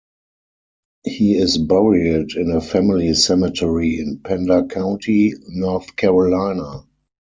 He is buried in a family cemetery in Pender County, North Carolina.